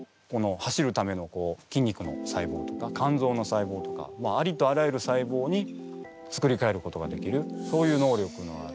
走るための筋肉の細胞とか肝臓の細胞とかありとあらゆる細胞に作りかえることができるそういう能力のある。